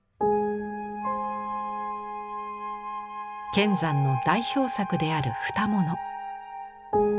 乾山の代表作である蓋物。